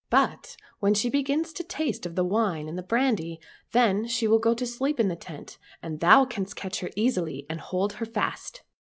But when she begins to taste of the wine and the brandy, then she will go to sleep in the tent, and thou canst catch her easily and hold her fast